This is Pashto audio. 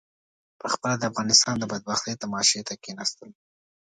پخپله د افغانستان د بدبختۍ تماشې ته کېنستل.